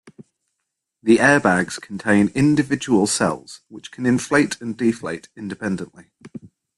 The airbags contain individual cells which can inflate and deflate independently.